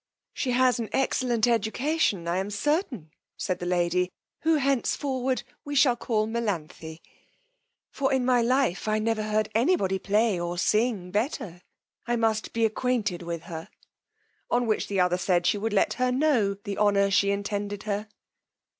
She has had an excellent education, I am certain, said the lady, (who henceforward we shall call Melanthe) for in my life I never heard any body play or sing better: I must be acquainted with her; on which the other said she would let her know the honour she intended her.